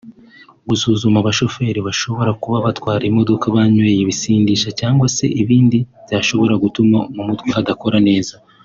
Gusuzuma abashoferi bashobora kuba batwara imodoka banyweye ibisindisha cyangwa se ibindi byashobora gutuma mu mutwe hadakora neza